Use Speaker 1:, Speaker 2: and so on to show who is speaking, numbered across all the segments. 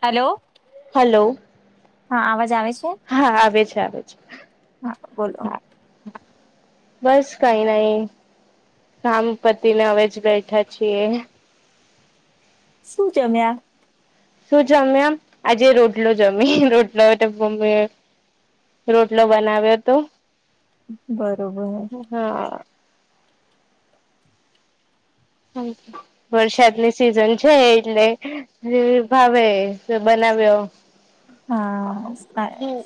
Speaker 1: Hello.
Speaker 2: Hello.
Speaker 1: હા અવાજ આવે છે?
Speaker 2: હા આવે છે આવે છે.
Speaker 1: હા બોલો.
Speaker 2: હા બસ કઈ નઈ, કામ પતિ ને હવે જ બેઠા છીએ.
Speaker 1: શું જમ્યા?
Speaker 2: શું જમ્યા આમ આજે રોટલો જમી રોટલો. રોટલો બનાવ્યો હતો.
Speaker 1: બરોબર.
Speaker 2: હા. વરસાદની સિઝન છે એટલે હ ભાવે બનાવ્યો.
Speaker 1: હા સ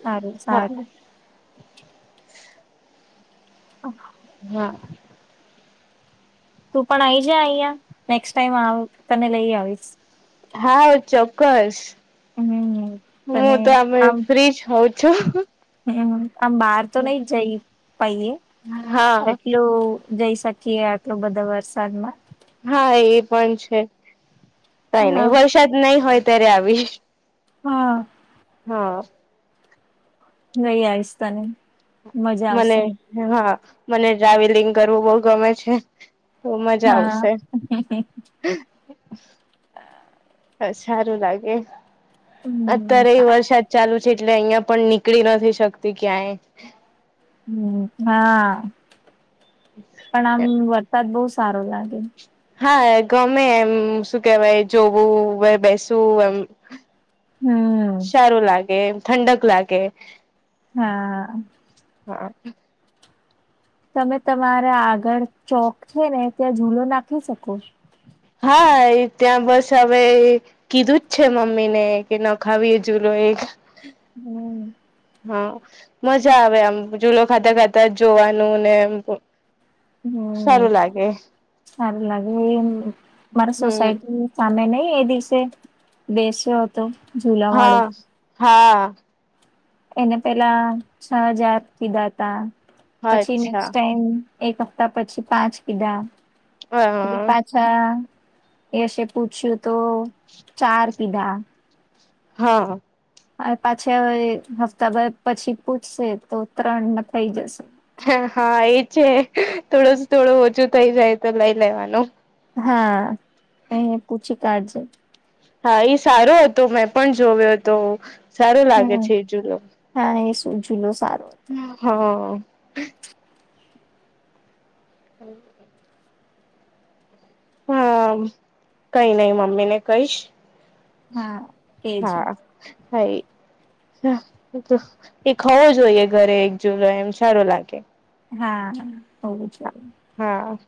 Speaker 1: સારું
Speaker 2: હા
Speaker 1: સારું. ઓ.
Speaker 2: હા.
Speaker 1: તું પણ આઈ જ અહીયા નેક્ ટાઈમ તને લઈ આવીશ.
Speaker 2: હા ચોક્કસ
Speaker 1: હમ
Speaker 2: હું
Speaker 1: તને
Speaker 2: તો અમે
Speaker 1: આમ
Speaker 2: ફ્રીજ હોઉ. [unintelligible]
Speaker 1: હમ આમ બાર તો ન જઈ પએ
Speaker 2: હા
Speaker 1: એટલું. જઈ શકીએ આટલો બધા વરસાદમાં.
Speaker 2: હા એ પણ છે, કઈ
Speaker 1: હા
Speaker 2: નહી વરસાદ નહી હોય ત્યારે આવી.
Speaker 1: હા,
Speaker 2: હા.
Speaker 1: નઈ આવીયસ્ તને. મજા
Speaker 2: મને
Speaker 1: આવશે
Speaker 2: હા મને ટ્રાવેલિંગ કરવું બહ ગમે છે. ખ મજા
Speaker 1: હા
Speaker 2: આવશે. સારું લાગે,
Speaker 1: હમ
Speaker 2: અત્યારે એ
Speaker 1: સારી
Speaker 2: વરસાદ
Speaker 1: વાત
Speaker 2: ચાલુ છે એટલે અહિયાં પણ નીકળી નથી શકતી ક્યાંય.
Speaker 1: હમ હા, પણ આમ વરસાદ બહુ સારો લાગે.
Speaker 2: હા ગમે એમ શું કેવાય જોવું બેસવું એમ.
Speaker 1: હમ
Speaker 2: સારું લાગે ઠંડક લાગે.
Speaker 1: હા.
Speaker 2: હા.
Speaker 1: તમે તમારા આગળ ચોક છે ને ત્યાં ઝૂલો નાખી શકો.
Speaker 2: હા ત્યાં બસ હવે કીધું જ છે મમ્મી ને કે ન ખાવીએ જુલો એક.
Speaker 1: હમ.
Speaker 2: હા. મજા આવે આમ ઝૂલો ખાતા ખાતા જ જોવાનું ને એમ.
Speaker 1: હમ, સારું લાગે એ મારા
Speaker 2: હમ
Speaker 1: સોસાયટી સામે નહ એ દિવસે, બેસ્યો હતો જુલા વાળો.
Speaker 2: હા હા.
Speaker 1: એને પેલા છ હજાર કીધા હતા પછી નેક્સ્ટ
Speaker 2: અચ્છા
Speaker 1: ટાઈમ. એક હપ્તા પછી પાંચ કીધા,
Speaker 2: અ
Speaker 1: પછી પાંચ અચ્છા એશે પૂછ્યું તો ચાર કીધા.
Speaker 2: હા.
Speaker 1: હ પાછા હ હપ્તાભર પછી પૂછશે તો ત્રણમાં થઈ જશે.
Speaker 2: હ હા એ છે થોડો થોડું ઓછું થઈ જાય તો લઈ લેવાનું.
Speaker 1: હા અ પૂછી કાઢજે.
Speaker 2: હા એ સારો હતો મેં પણ જોવ્યો હતો સારું લાગે
Speaker 1: હમ
Speaker 2: છે એ જોુલો-'
Speaker 1: હા એ શું જુલો સારો હતો
Speaker 2: હા. [inaudible] હા કઈ નહી મમ્મી ને કહીશ.
Speaker 1: હા. એજ
Speaker 2: હા હૈ એ ખવો જોઈએ ઘરે એકજૂલો એમ સારું લાગે.
Speaker 1: હા હોવું જોઈ
Speaker 2: હા